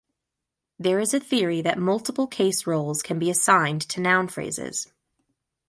There is a theory that multiple case roles can be assigned to noun phrases.